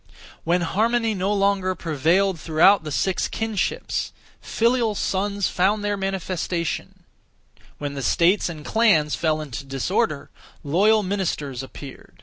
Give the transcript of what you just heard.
When harmony no longer prevailed throughout the six kinships, filial sons found their manifestation; when the states and clans fell into disorder, loyal ministers appeared.